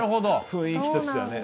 雰囲気としてはね。